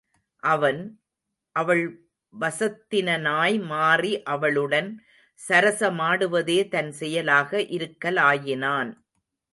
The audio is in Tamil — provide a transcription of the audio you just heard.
அவன், அவள் வசத்தினனாய் மாறி அவளுடன் சரசமாடுவதே தன் செயலாக இருக்கலாயினான்.